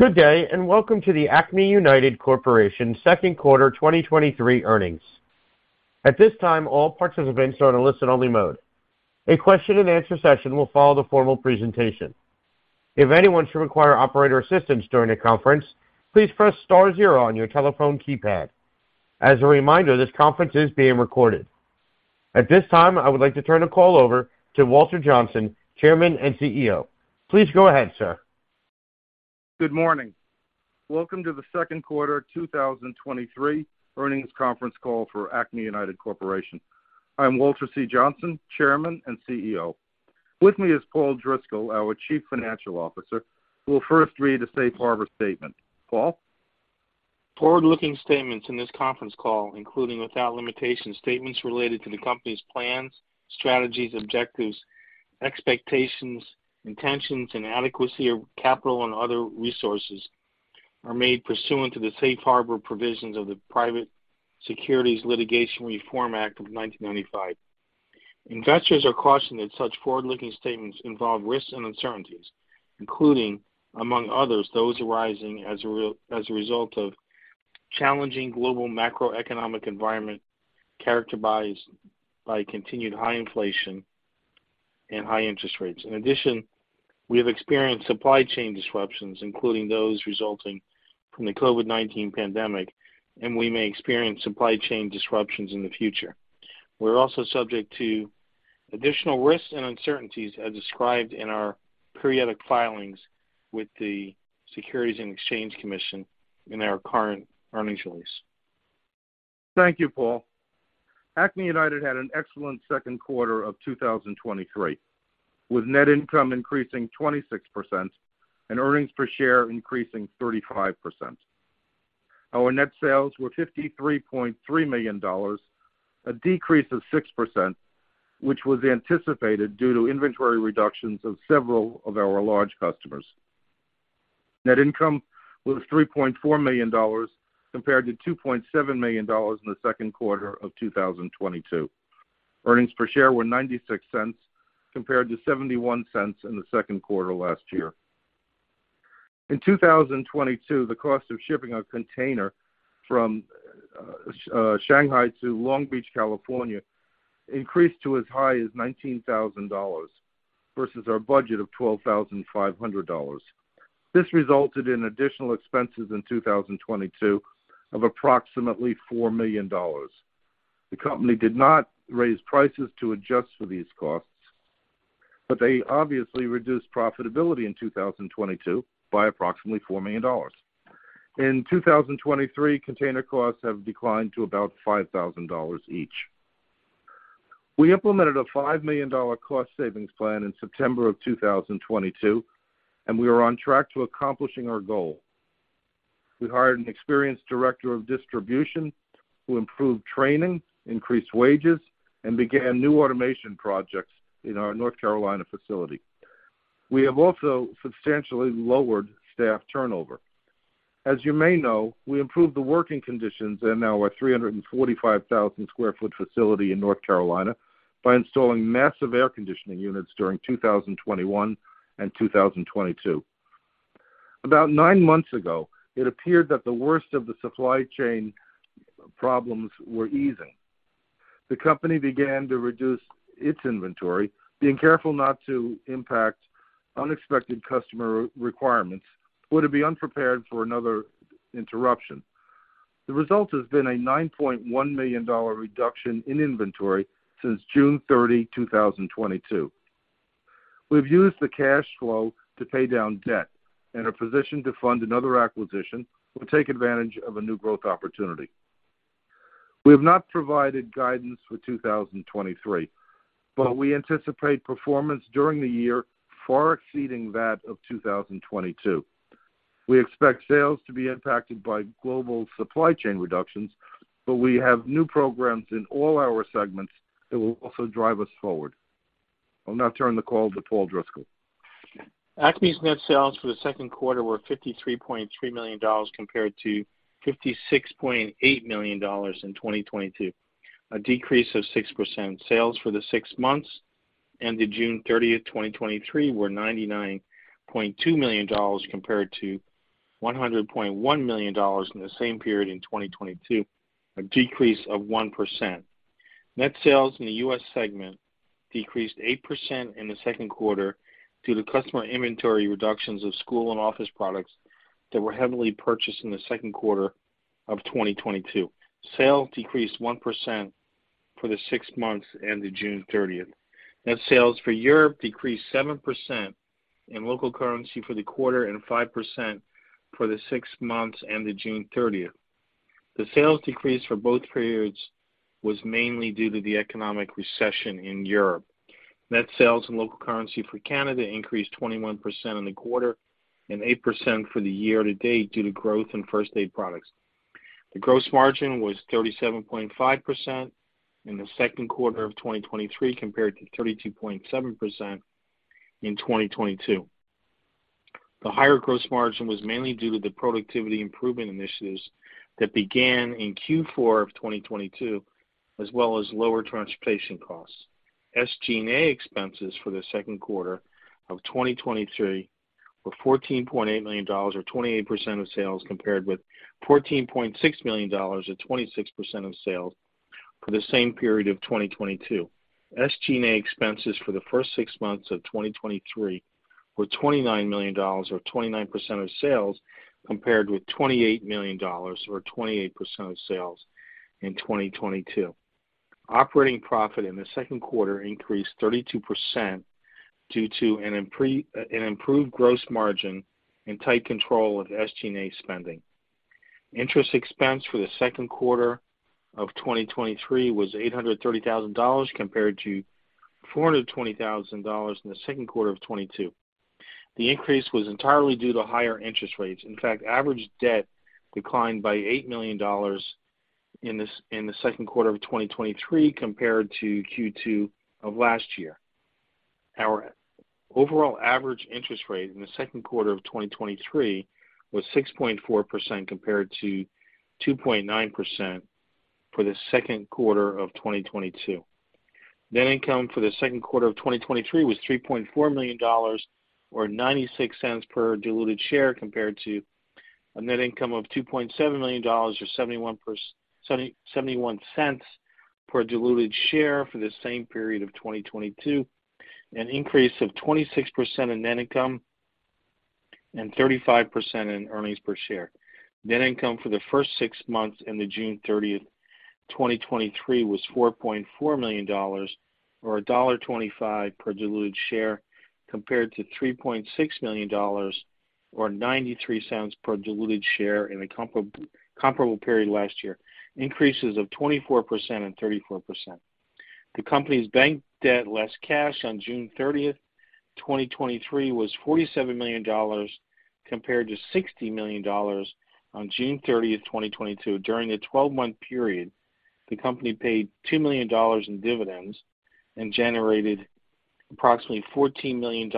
Good day, welcome to the Acme United Corporation second quarter 2023 earnings. At this time, all participants are in a listen-only mode. A question and answer session will follow the formal presentation. If anyone should require operator assistance during the conference, please press star zero on your telephone keypad. As a reminder, this conference is being recorded. At this time, I would like to turn the call over to Walter Johnsen, Chairman and CEO. Please go ahead, sir. Good morning. Welcome to the second quarter 2023 earnings conference call for Acme United Corporation. I'm Walter C. Johnsen, Chairman and CEO. With me is Paul Driscoll, our Chief Financial Officer, who will first read a safe harbor statement. Paul? Forward-looking statements in this conference call, including without limitation, statements related to the company's plans, strategies, objectives, expectations, intentions, and adequacy of capital and other resources, are made pursuant to the safe harbor provisions of the Private Securities Litigation Reform Act of 1995. Investors are cautioned that such forward-looking statements involve risks and uncertainties, including, among others, those arising as a result of challenging global macroeconomic environment characterized by continued high inflation and high interest rates. In addition, we have experienced supply chain disruptions, including those resulting from the COVID-19 pandemic, and we may experience supply chain disruptions in the future. We're also subject to additional risks and uncertainties as described in our periodic filings with the Securities and Exchange Commission in our current earnings release. Thank you, Paul. Acme United had an excellent second quarter of 2023, with net income increasing 26% and earnings per share increasing 35%. Our net sales were $53.3 million, a decrease of 6%, which was anticipated due to inventory reductions of several of our large customers. Net income was $3.4 million, compared to $2.7 million in the second quarter 2022. Earnings per share were $0.96, compared to $0.71 in the second quarter last year. In 2022, the cost of shipping a container from Shanghai to Long Beach, California, increased to as high as $19,000 versus our budget of $12,500. This resulted in additional expenses in 2022 of approximately $4 million. The company did not raise prices to adjust for these costs, but they obviously reduced profitability in 2022 by approximately $4 million. In 2023, container costs have declined to about $5,000 each. We implemented a $5 million cost savings plan in September of 2022, and we are on track to accomplishing our goal. We hired an experienced director of distribution who improved training, increased wages, and began new automation projects in our North Carolina facility. We have also substantially lowered staff turnover. As you may know, we improved the working conditions in our 345,000 sq ft facility in North Carolina by installing massive air conditioning units during 2021 and 2022. About nine months ago, it appeared that the worst of the supply chain problems were easing. The company began to reduce its inventory, being careful not to impact unexpected customer requirements, or to be unprepared for another interruption. The result has been a $9.1 million reduction in inventory since June 30, 2022. We've used the cash flow to pay down debt and are positioned to fund another acquisition or take advantage of a new growth opportunity. We have not provided guidance for 2023, but we anticipate performance during the year far exceeding that of 2022. We expect sales to be impacted by global supply chain reductions, but we have new programs in all our segments that will also drive us forward. I'll now turn the call to Paul Driscoll. Acme's net sales for the second quarter were $53.3 million, compared to $56.8 million in 2022, a decrease of 6%. Sales for the six months ended June 30th, 2023, were $99.2 million compared to $100.1 million in the same period in 2022, a decrease of 1%. Net sales in the U.S. segment decreased 8% in the second quarter due to customer inventory reductions of school and office products that were heavily purchased in the second quarter of 2022. Sales decreased 1% for the six months ended June 30th. Net sales for Europe decreased 7% in local currency for the quarter and 5% for the six months ended June 30th. The sales decrease for both periods was mainly due to the economic recession in Europe. Net sales in local currency for Canada increased 21% in the quarter and 8% for the year to date due to growth in first aid products. The gross margin was 37.5% in the second quarter of 2023, compared to 32.7% in 2022. The higher gross margin was mainly due to the productivity improvement initiatives that began in Q4 of 2022, as well as lower transportation costs. SG&A expenses for the second quarter of 2023 were $14.8 million, or 28% of sales, compared with $14.6 million, or 26% of sales, for the same period of 2022. SG&A expenses for the first six months of 2023 were $29 million, or 29% of sales, compared with $28 million or 28% of sales in 2022. Operating profit in the second quarter increased 32% due to an improved gross margin and tight control of SG&A spending. Interest expense for the second quarter of 2023 was $830,000, compared to $420,000 in the second quarter of 2022. The increase was entirely due to higher interest rates. In fact, average debt declined by $8 million in the second quarter of 2023 compared to Q2 of last year. Our overall average interest rate in the second quarter of 2023 was 6.4%, compared to 2.9% for the second quarter of 2022. Net income for the second quarter of 2023 was $3.4 million, or $0.96 per diluted share, compared to a net income of $2.7 million, or $0.71 per diluted share for the same period of 2022, an increase of 26% in net income and 35% in earnings per share. Net income for the first 6 months in the June 30th, 2023, was $4.4 million or $1.25 per diluted share, compared to $3.6 million or $0.93 per diluted share in the comparable period last year, increases of 24% and 34%. The company's bank debt, less cash on June 30, 2023, was $47 million, compared to $60 million on June 30, 2022. During the 12-month period, the company paid $2 million in dividends and generated approximately $14 million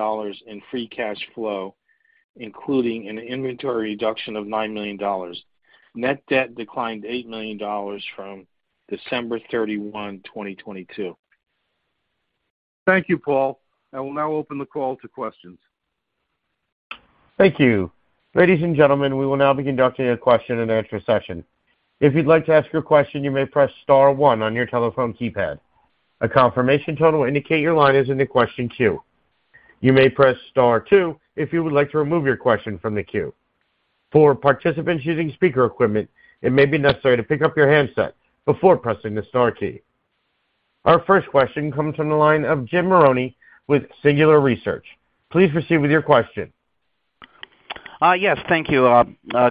in free cash flow, including an inventory reduction of $9 million. Net debt declined $8 million from December 31, 2022. Thank you, Paul. I will now open the call to questions. Thank you. Ladies and gentlemen, we will now be conducting a question-and-answer session. If you'd like to ask your question, you may press star one on your telephone keypad. A confirmation tone will indicate your line is in the question queue. You may press star two if you would like to remove your question from the queue. For participants using speaker equipment, it may be necessary to pick up your handset before pressing the star key. Our first question comes from the line of Jim Marrone with Singular Research. Please proceed with your question. Yes, thank you.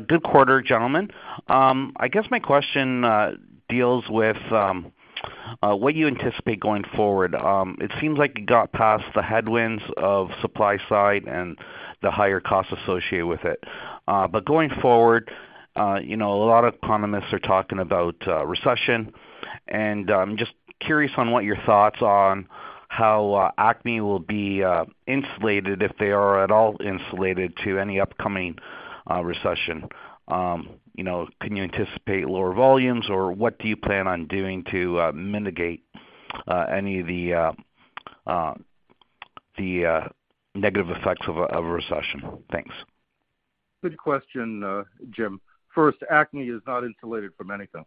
Good quarter, gentlemen. I guess my question deals with what you anticipate going forward. It seems like you got past the headwinds of supply side and the higher costs associated with it. Going forward, you know, a lot of economists are talking about recession, and just curious on what your thoughts on how Acme will be insulated, if they are at all insulated, to any upcoming recession. You know, can you anticipate lower volumes, or what do you plan on doing to mitigate any of the negative effects of a recession? Thanks. Good question, Jim. First, Acme is not insulated from anything.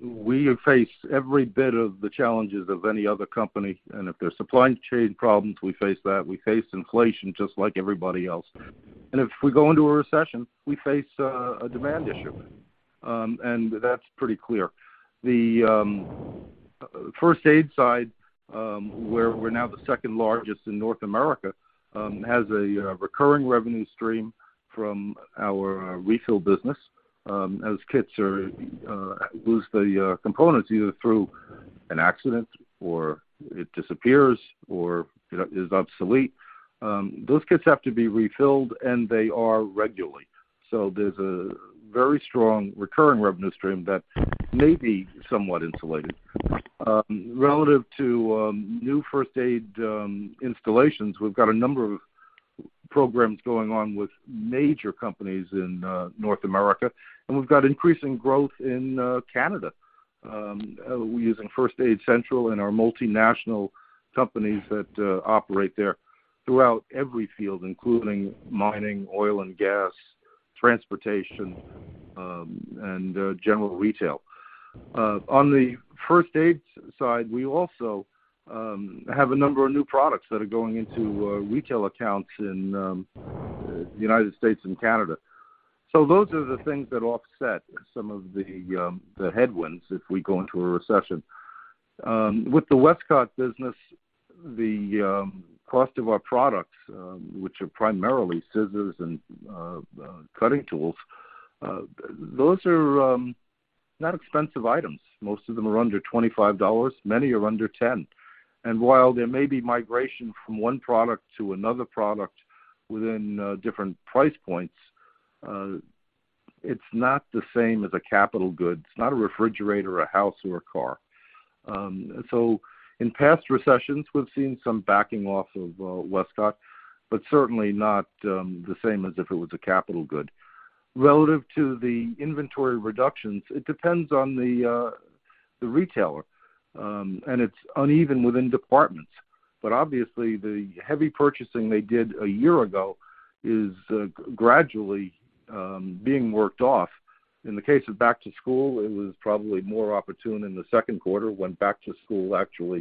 We have faced every bit of the challenges of any other company. If there's supply chain problems, we face that. We face inflation just like everybody else. If we go into a recession, we face a demand issue, and that's pretty clear. The first aid side, where we're now the second largest in North America, has a recurring revenue stream from our refill business. As kits are lose the components, either through an accident or it disappears or it is obsolete, those kits have to be refilled, and they are regularly. There's a very strong recurring revenue stream that may be somewhat insulated. Relative to new first aid installations, we've got a number of programs going on with major companies in North America, and we've got increasing growth in Canada. We're using First Aid Central and our multinational companies that operate there throughout every field, including mining, oil and gas, transportation, and general retail. On the first aid side, we also have a number of new products that are going into retail accounts in the United States and Canada. Those are the things that offset some of the headwinds if we go into a recession. With the Westcott business, the cost of our products, which are primarily scissors and cutting tools, those are not expensive items. Most of them are under $25. Many are under $10. While there may be migration from one product to another product within different price points, it's not the same as a capital good. It's not a refrigerator or a house or a car. In past recessions, we've seen some backing off of Westcott, but certainly not the same as if it was a capital good. Relative to the inventory reductions, it depends on the retailer, and it's uneven within departments. Obviously, the heavy purchasing they did a year ago is gradually being worked off. In the case of back to school, it was probably more opportune in the second quarter, when back to school actually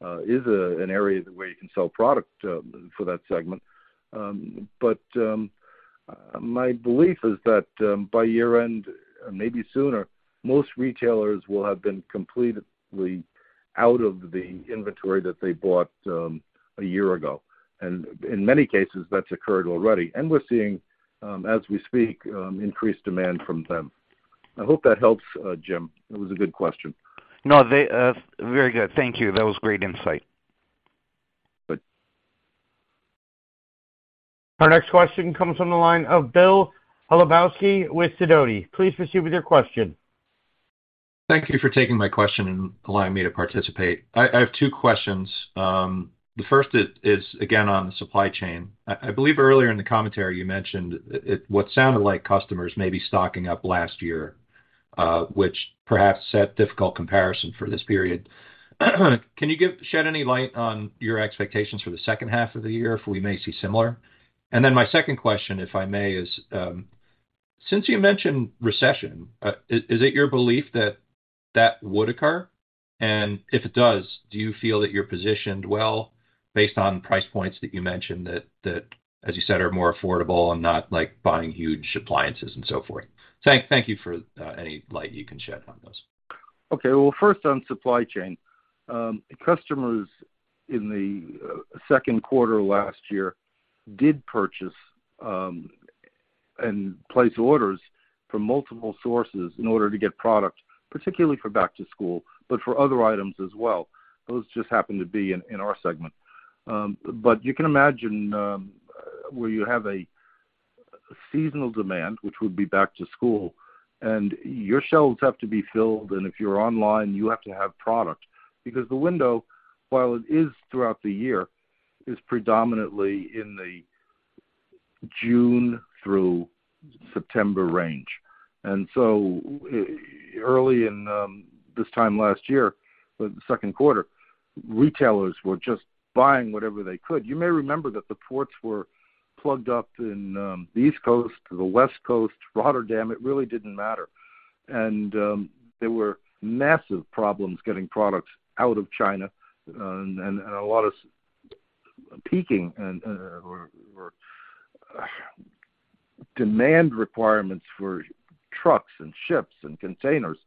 is an area where you can sell product for that segment. My belief is that by year-end, maybe sooner, most retailers will have been completely out of the inventory that they bought a year ago. In many cases, that's occurred already, and we're seeing, as we speak, increased demand from them. I hope that helps, Jim. It was a good question. No, they, very good. Thank you. That was great insight. Good. Our next question comes from the line of Bill Holobowski with Sidoti. Please proceed with your question. Thank you for taking my question and allowing me to participate. I have two questions. The first is again, on the supply chain. I believe earlier in the commentary, you mentioned it, what sounded like customers may be stocking up last year, which perhaps set difficult comparison for this period. Can you shed any light on your expectations for the second half of the year, if we may see similar? My second question, if I may, is, since you mentioned recession, is it your belief that that would occur? If it does, do you feel that you're positioned well, based on price points that you mentioned, that, as you said, are more affordable and not like buying huge appliances and so forth? Thank you for any light you can shed on this. Okay, well, first on supply chain. Customers in the second quarter last year did purchase and place orders from multiple sources in order to get product, particularly for back to school, but for other items as well. Those just happened to be in our segment. You can imagine where you have a seasonal demand, which would be back to school, and your shelves have to be filled, and if you're online, you have to have product, because the window, while it is throughout the year, is predominantly in the June through September range. Early in this time last year, the second quarter, retailers were just buying whatever they could. You may remember that the ports were plugged up in the East Coast to the West Coast, Rotterdam. It really didn't matter. There were massive problems getting products out of China and a lot of peaking or demand requirements for trucks and ships and containers.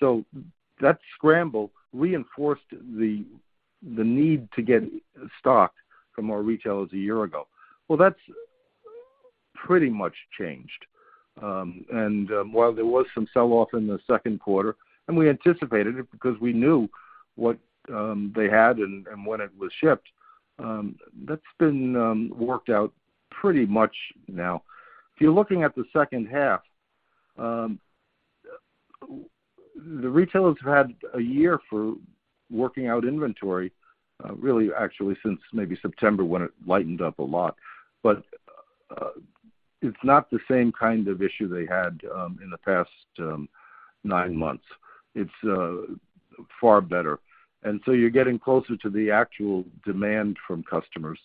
That scramble reinforced the need to get stocked from our retailers a year ago. Well, that's pretty much changed. While there was some sell-off in the second quarter, and we anticipated it because we knew what they had and when it was shipped, that's been worked out pretty much now. If you're looking at the second half, the retailers have had a year for working out inventory, really, actually, since maybe September, when it lightened up a lot. It's not the same kind of issue they had in the past nine months. It's far better. You're getting closer to the actual demand from customers.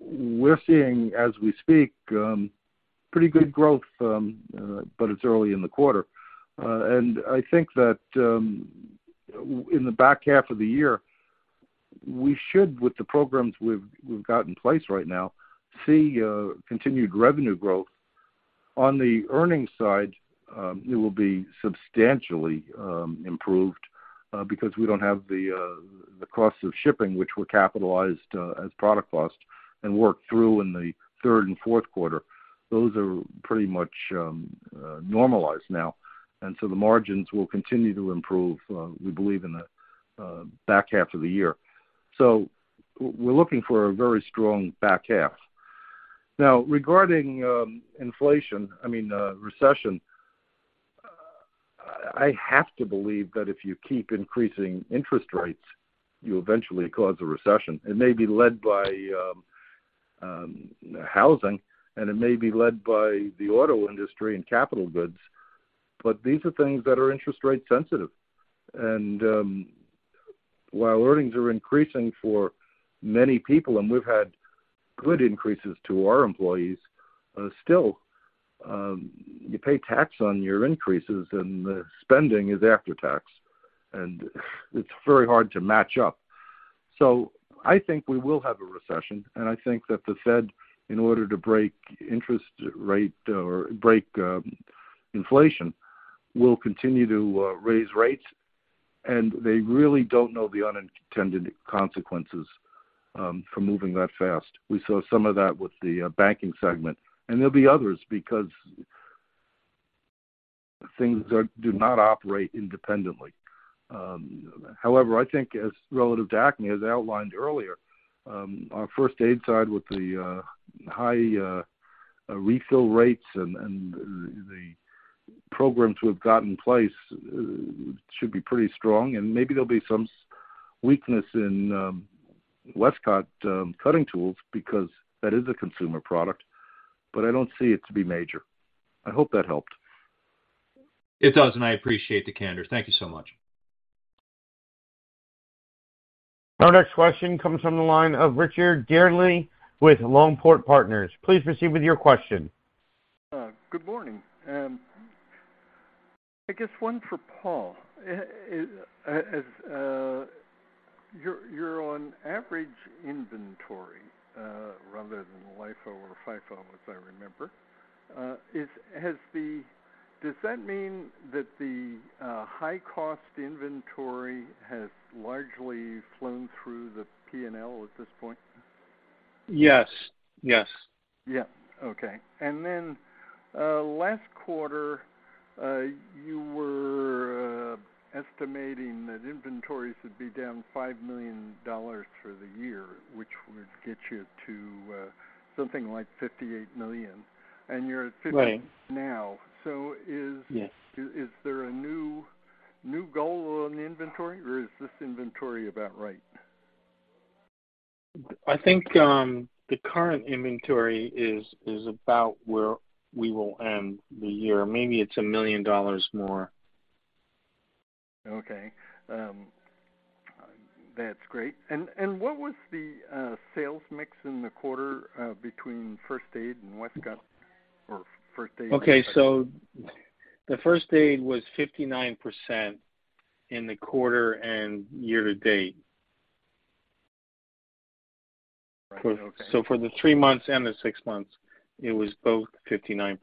We're seeing, as we speak, pretty good growth, but it's early in the quarter. I think that in the back half of the year, we should, with the programs we've got in place right now, see continued revenue growth. On the earnings side, it will be substantially improved, because we don't have the costs of shipping, which were capitalized as product cost and worked through in the third and fourth quarter. Those are pretty much normalized now, and so the margins will continue to improve, we believe in the back half of the year. We're looking for a very strong back half. Now, regarding inflation, I mean recession, I have to believe that if you keep increasing interest rates, you eventually cause a recession. It may be led by housing, and it may be led by the auto industry and capital goods, but these are things that are interest rate sensitive. While earnings are increasing for many people, and we've had good increases to our employees, still, you pay tax on your increases and the spending is after tax, and it's very hard to match up. I think we will have a recession, and I think that the Fed, in order to break interest rate or break inflation, will continue to raise rates, and they really don't know the unintended consequences for moving that fast. We saw some of that with the banking segment. There'll be others because things do not operate independently. However, I think as relative to Acme, as outlined earlier, our first aid side with the high refill rates and programs we've got in place, should be pretty strong, and maybe there'll be some weakness in Westcott cutting tools because that is a consumer product, but I don't see it to be major. I hope that helped. It does, and I appreciate the candor. Thank you so much. Our next question comes from the line of Richard Dearnley with Longport Partners. Please proceed with your question. Good morning. I guess one for Paul. As your, you're on average inventory, rather than LIFO or FIFO, as I remember, does that mean that the high cost inventory has largely flown through the P&L at this point? Yes. Yes. Yeah. Okay. Last quarter, you were estimating that inventories would be down $5 million for the year, which would get you to something like $58 million, and you're at. [Right.] Now. Yes. Is there a new goal on the inventory, or is this inventory about right? I think, the current inventory is about where we will end the year. Maybe it's $1 million more. Okay. That's great. What was the sales mix in the quarter between First Aid and Westcott or First Aid? Okay, the First Aid was 59% in the quarter and year-to-date. Okay. For the three months and the six months, it was both 59%.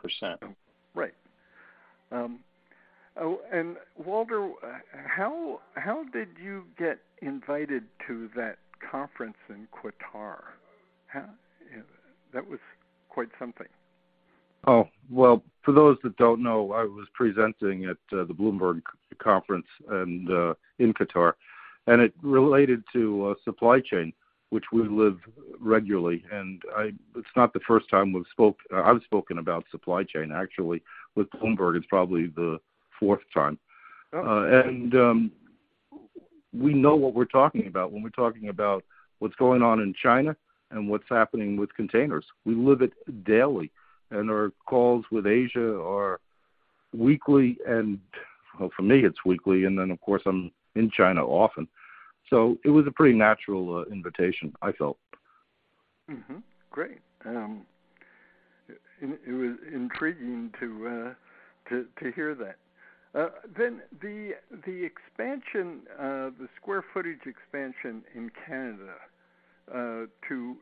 Right. Oh, Walter, how did you get invited to that conference in Qatar? That was quite something. Well, for those that don't know, I was presenting at the Bloomberg conference in Qatar. It related to supply chain, which we live regularly. It's not the first time I've spoken about supply chain. Actually, with Bloomberg, it's probably the fourth time. Oh. We know what we're talking about when we're talking about what's going on in China and what's happening with containers. We live it daily. Our calls with Asia are weekly. Well, for me, it's weekly, and then, of course, I'm in China often. It was a pretty natural invitation, I felt. Great. It was intriguing to hear that. The expansion, the square footage expansion in Canada, to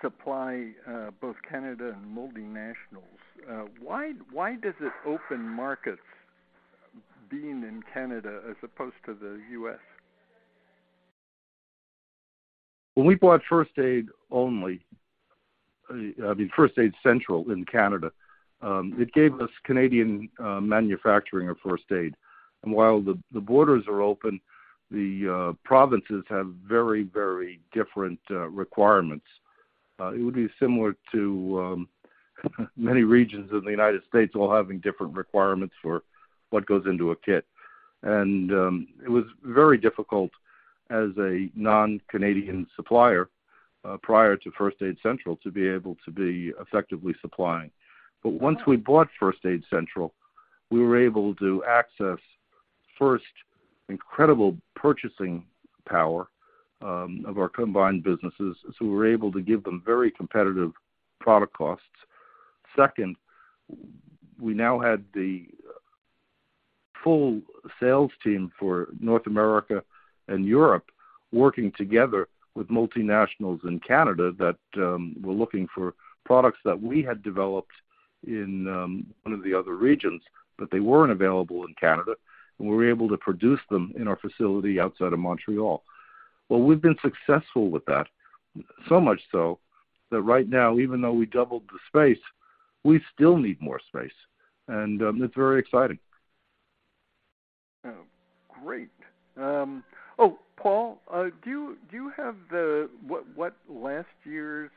supply both Canada and multinationals, why does it open markets being in Canada as opposed to the U.S.? When we bought First Aid only, I mean, First Aid Central in Canada, it gave us Canadian manufacturing of First Aid. While the borders are open, the provinces have very, very different requirements. It would be similar to many regions of the United States, all having different requirements for what goes into a kit. It was very difficult as a non-Canadian supplier prior to First Aid Central, to be able to be effectively supplying. Once we bought First Aid Central, we were able to access, first, incredible purchasing power of our combined businesses, so we were able to give them very competitive product costs. Second, we now had the full sales team for North America and Europe working together with multinationals in Canada that were looking for products that we had developed in one of the other regions, but they weren't available in Canada, and we were able to produce them in our facility outside of Montreal. We've been successful with that, so much so that right now, even though we doubled the space, we still need more space, and it's very exciting. Oh, great. Oh, Paul, do you have the, what last year's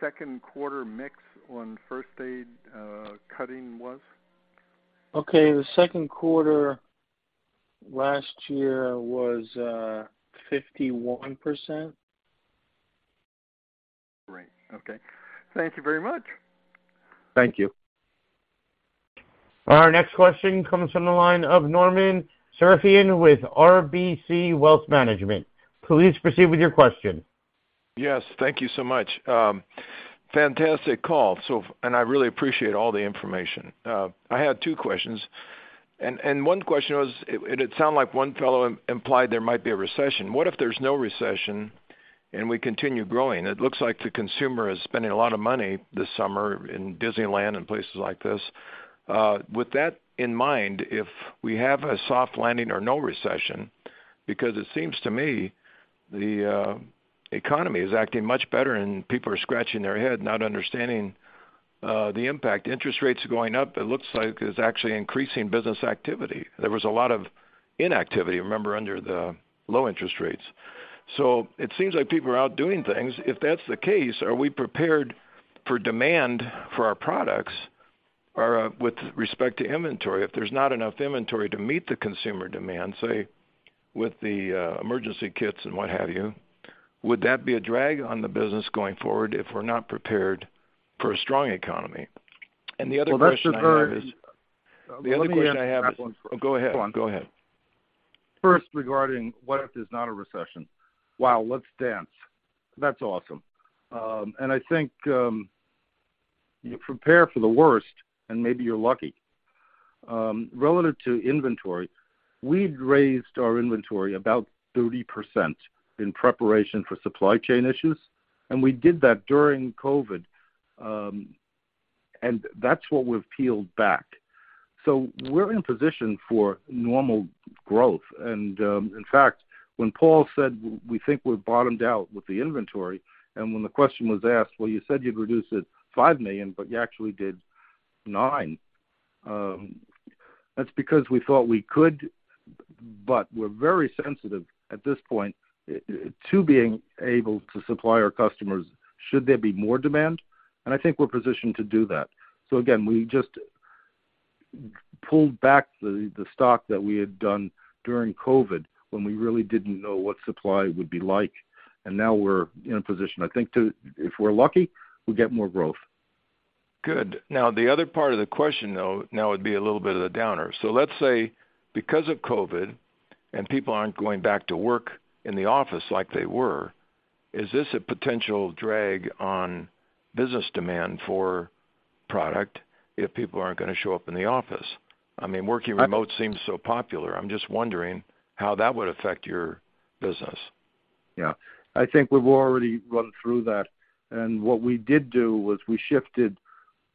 second quarter mix on First Aid, cutting was? Okay, the second quarter last year was 51%. Great. Okay. Thank you very much. Thank you. Our next question comes from the line of Norman Sarafian with RBC Wealth Management. Please proceed with your question. Yes, thank you so much. Fantastic call, so and I really appreciate all the information. I had two questions, and one question was, it sound like one fellow implied there might be a recession. What if there's no recession, and we continue growing? It looks like the consumer is spending a lot of money this summer in Disneyland and places like this. With that in mind, if we have a soft landing or no recession, because it seems to me the economy is acting much better and people are scratching their head, not understanding the impact. Interest rates are going up, it looks like it's actually increasing business activity. There was a lot of inactivity, remember, under the low interest rates. It seems like people are out doing things. If that's the case, are we prepared for demand for our products? With respect to inventory, if there's not enough inventory to meet the consumer demand, say, with the emergency kits and what have you, would that be a drag on the business going forward if we're not prepared for a strong economy? The other question I have is. Well, that's the very The other question I have. Oh, go ahead. Go ahead. First, regarding what if there's not a recession? Wow, let's dance! That's awesome. I think, you prepare for the worst, and maybe you're lucky. Relative to inventory, we'd raised our inventory about 30% in preparation for supply chain issues, and we did that during COVID, and that's what we've peeled back. We're in position for normal growth, and, in fact, when Paul said we think we've bottomed out with the inventory, and when the question was asked, "Well, you said you'd reduce it $5 million, but you actually did $9 million." That's because we thought we could, but we're very sensitive at this point, to being able to supply our customers should there be more demand, and I think we're positioned to do that. Again, we just pulled back the stock that we had done during COVID, when we really didn't know what supply would be like, and now we're in a position, I think, to, if we're lucky, we'll get more growth. Good. Now, the other part of the question, though, now would be a little bit of a downer. Let's say, because of COVID, and people aren't going back to work in the office like they were, is this a potential drag on business demand for product if people aren't gonna show up in the office? I mean, working remote seems so popular. I'm just wondering how that would affect your business. Yeah. I think we've already gone through that, and what we did do was we shifted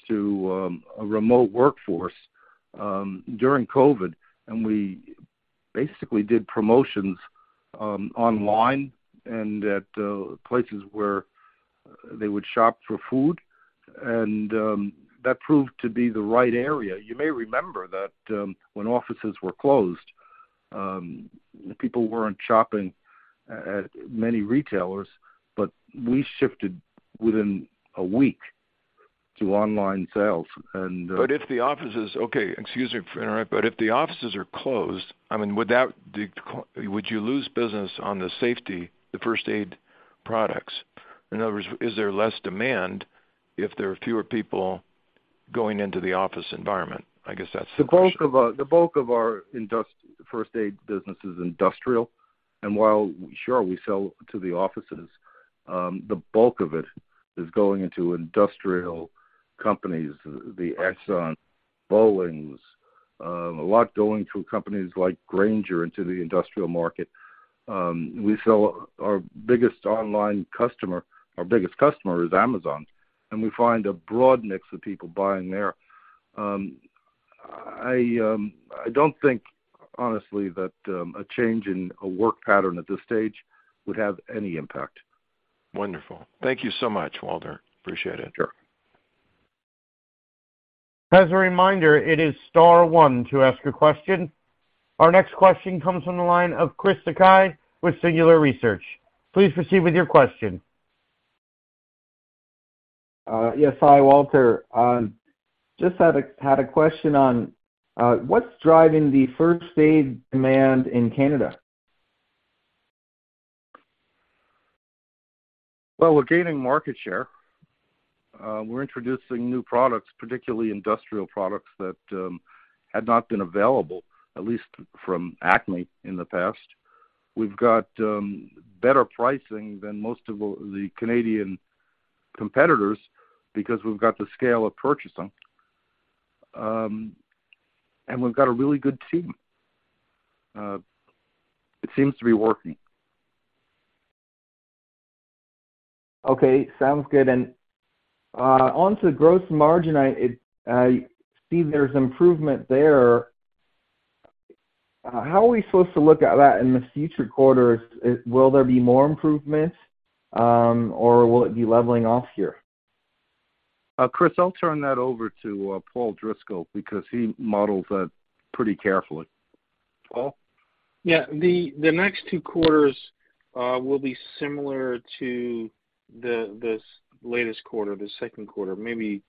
to a remote workforce during COVID, and we basically did promotions online and at places where they would shop for food, and that proved to be the right area. You may remember that when offices were closed, people weren't shopping at many retailers, but we shifted within a week to online sales, and. Okay, excuse me for interrupting, but if the offices are closed, I mean, would you lose business on the safety, the first aid products? In other words, is there less demand if there are fewer people going into the office environment? I guess that's the question? The bulk of our first aid business is industrial. While, sure, we sell to the offices, the bulk of it is going into industrial companies, the Exxons, Boeings, a lot going to companies like Grainger into the industrial market. Our biggest online customer, our biggest customer is Amazon. We find a broad mix of people buying there. I don't think, honestly, that a change in a work pattern at this stage would have any impact. Wonderful. Thank you so much, Walter. Appreciate it. Sure. As a reminder, it is star one to ask a question. Our next question comes from the line of Chris Sakai with Singular Research. Please proceed with your question. Yes. Hi, Walter. Just had a question on what's driving the first aid demand in Canada? Well, we're gaining market share. We're introducing new products, particularly industrial products, that had not been available, at least from Acme in the past. We've got better pricing than most of the Canadian competitors because we've got the scale of purchasing. We've got a really good team. It seems to be working. Okay, sounds good. Onto the gross margin, I see there's improvement there. How are we supposed to look at that in the future quarters? Will there be more improvements, or will it be leveling off here? Chris, I'll turn that over to Paul Driscoll, because he models that pretty carefully. Paul? Yeah, the next two quarters will be similar to this latest quarter, the second quarter, maybe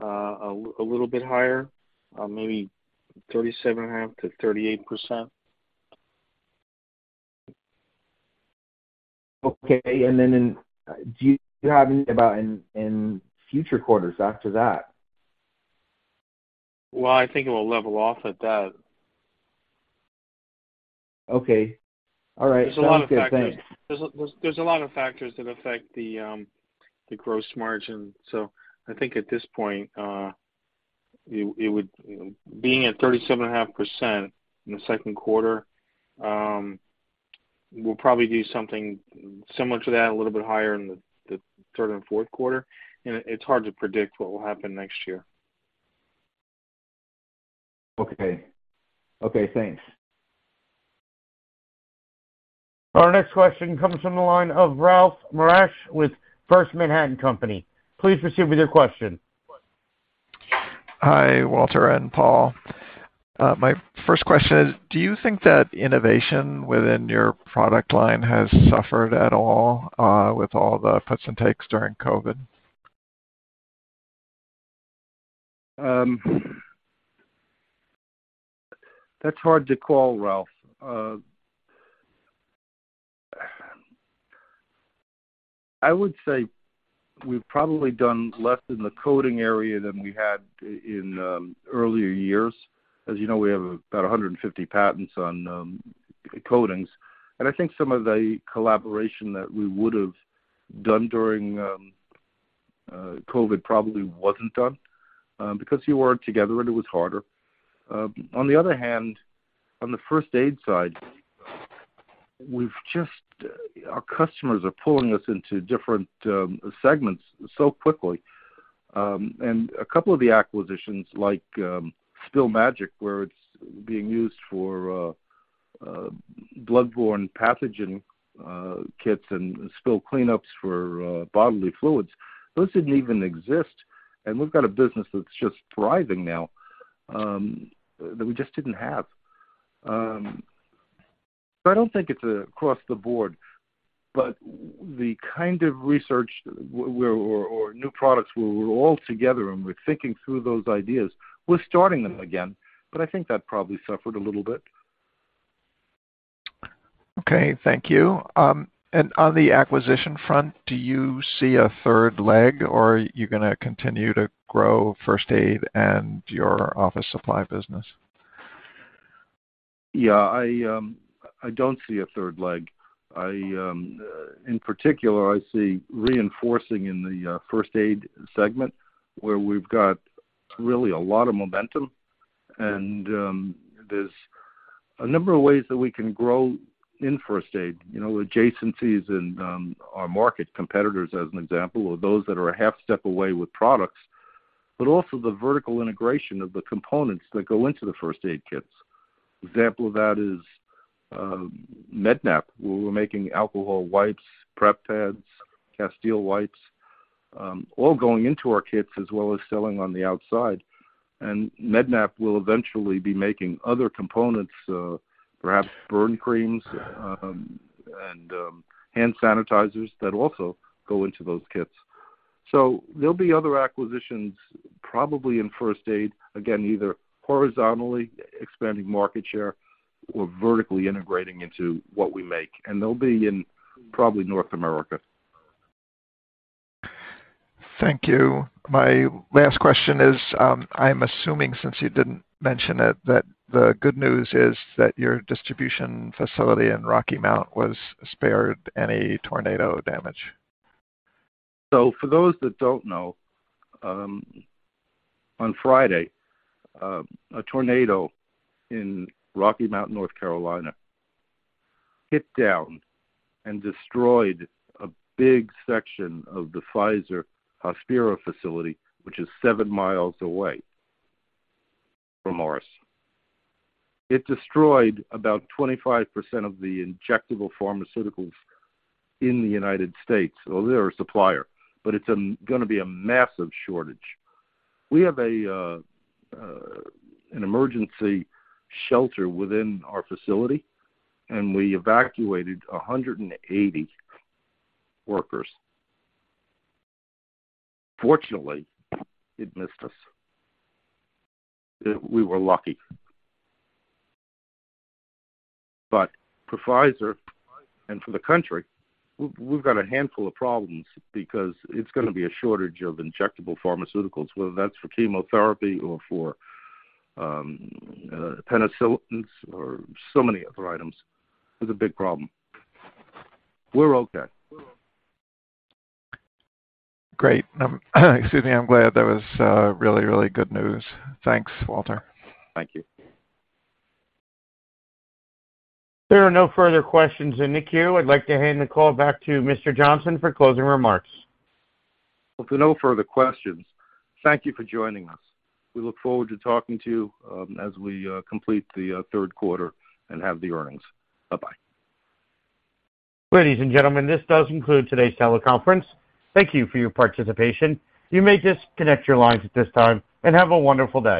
a little bit higher, maybe 37.5%-38%. Okay. Do you have any [plans] in future quarters after that? Well, I think it will level off at that. Okay. All right. There's a lot of factors. There's a lot of factors that affect the gross margin. I think at this point, it would, being at 37.5% in the second quarter, we'll probably do something similar to that, a little bit higher in the third and fourth quarter. It's hard to predict what will happen next year. Okay. Okay, thanks. Our next question comes from the line of Ralph Marash with First Manhattan Company. Please proceed with your question. Hi, Walter and Paul. My first question is, do you think that innovation within your product line has suffered at all, with all the puts and takes during COVID? That's hard to call, Ralph. I would say we've probably done less in the coating area than we had in earlier years. As you know, we have about 150 patents on coatings, and I think some of the collaboration that we would have done during COVID probably wasn't done because you weren't together and it was harder. On the other hand, on the first aid side, we've just, our customers are pulling us into different segments so quickly. A couple of the acquisitions, like Spill Magic, where it's being used for bloodborne pathogen kits and spill cleanups for bodily fluids, those didn't even exist, and we've got a business that's just thriving now that we just didn't have. I don't think it's across the board, but the kind of research where, or new products, where we're all together and we're thinking through those ideas, we're starting them again, but I think that probably suffered a little bit. Okay, thank you. On the acquisition front, do you see a third leg, or are you gonna continue to grow first aid and your office supply business? I don't see a third leg. In particular, I see reinforcing in the first aid segment, where we've got really a lot of momentum, there's a number of ways that we can grow in first aid. You know, adjacencies and our market competitors, as an example, or those that are a half step away with products, but also the vertical integration of the components that go into the first aid kits. Example of that is Med-Nap, where we're making alcohol wipes, prep pads, castile wipes, all going into our kits as well as selling on the outside. Med-Nap will eventually be making other components, perhaps burn creams, and hand sanitizers that also go into those kits. There'll be other acquisitions, probably in first aid, again, either horizontally expanding market share or vertically integrating into what we make, and they'll be in probably North America. Thank you. My last question is, I'm assuming, since you didn't mention it, that the good news is that your distribution facility in Rocky Mount was spared any tornado damage. For those that don't know, on Friday, a tornado in Rocky Mount, North Carolina, hit down and destroyed a big section of the Pfizer Hospira facility, which is seven miles away from ours. It destroyed about 25% of the injectable pharmaceuticals in the United States. They're a supplier, but it's gonna be a massive shortage. We have an emergency shelter within our facility, and we evacuated 180 workers. Fortunately, it missed us. We were lucky. For Pfizer and for the country, we've got a handful of problems because it's gonna be a shortage of injectable pharmaceuticals, whether that's for chemotherapy or for penicillins or so many other items. It's a big problem. We're okay. Great. Excuse me. I'm glad. That was really good news. Thanks, Walter. Thank you. There are no further questions in the queue. I'd like to hand the call back to Mr. Johnsen for closing remarks. If there are no further questions, thank you for joining us. We look forward to talking to you, as we complete the third quarter and have the earnings. Bye-bye. Ladies and gentlemen, this does conclude today's teleconference. Thank you for your participation. You may disconnect your lines at this time, and have a wonderful day.